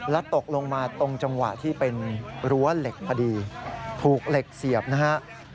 แล้วตกลงมาตรงจังหวะที่เป็นรั้วเหล็กพอดีถูกเหล็กเสียบนะฮะ